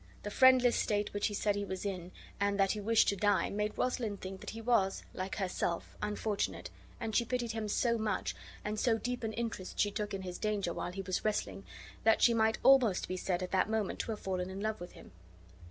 The friendless state which he said he was in, and that he wished to die, made Rosalind think that he was, like herself, unfortunate; and she pitied him so much, and so deep an interest she took in his danger while he was wrestling, that she might almost be said at that moment to have fallen in love with him.